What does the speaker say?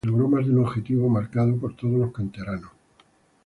La temporada siguiente, logró mas de un objetivo marcado por todos los canteranos.